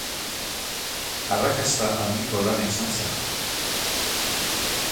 Arrakasta handiko lana izan zen.